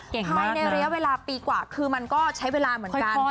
ภายในระยะเวลาปีกว่าคือมันก็ใช้เวลาเหมือนกัน